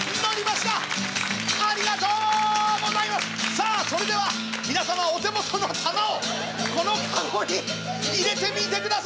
さあそれでは皆様お手元の玉をこの籠に入れてみてください。